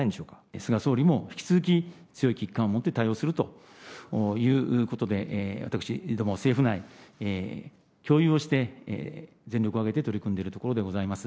菅総理も引き続き強い危機感を持って対応するということで、私ども政府内、共有をして全力を挙げて取り組んでいるところでございます。